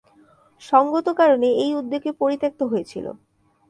সঙ্গত কারণে এই উদ্যোগ পরিত্যক্ত হয়েছিলো।